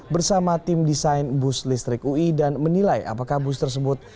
bersama tim desain bus listrik ui dan menilai apakah bus tersebut